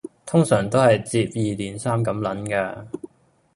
通常都係接二連三咁撚㗎